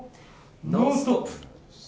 「ノンストップ！」。